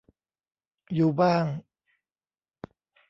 อยู่บ้าง